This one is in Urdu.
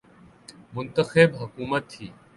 منتخب حکومت تھی۔